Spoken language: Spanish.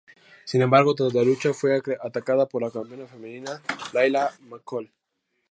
Sin embargo, tras la lucha, fue atacada por la Campeona Femenina Layla y McCool.